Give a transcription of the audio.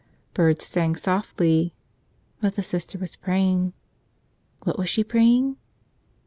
Birds sang softly. But the Sister was praying. What was she praying?